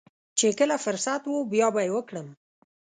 چې کله فرصت و بيا به يې وکړم.